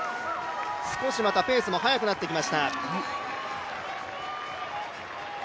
少しペースも速くなってきました。